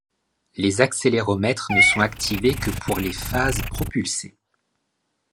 Les accéléromètres ne sont activés que pour les phases propulsées.